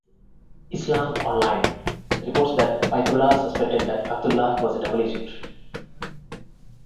"Islam Online" reports that Baitullah suspected that Abdullah was a double agent.